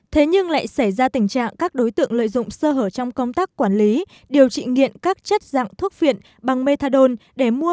thế nhưng lại xảy ra tình trạng các đối tượng lợi dụng sơ hở trong công tác quản lý điều trị nghiện các chất dạng thuốc phiện bằng methadone